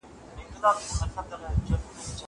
زه هره ورځ سبا ته فکر کوم.